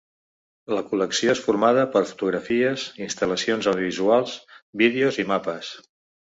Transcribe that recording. La col·lecció és formada per fotografies, instal·lacions audiovisuals, vídeos i mapes.